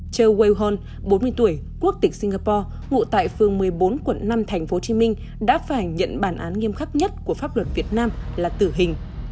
cher way hon bốn mươi tuổi quốc tịch singapore ngụ tại phường một mươi bốn quận năm tp hcm đã phải nhận bản án nghiêm khắc nhất của pháp luật việt nam là tử hình